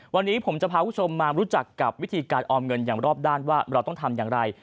วันนี้ผมจะพาคุณผู้ชมมารู้จักกับวิธีการออมเงินอย่างรอบด้านว่าเราต้องทำอย่างไร